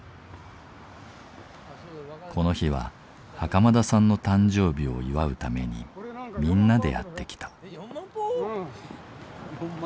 この日は袴田さんの誕生日を祝うためにみんなでやって来た。